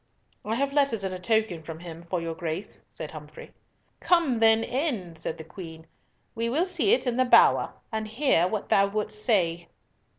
"I have letters and a token from him for your Grace," said Humfrey. "Come then in," said the Queen. "We will see it in the bower, and hear what thou wouldst say."